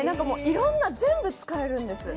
いろんな、全部使えるんです。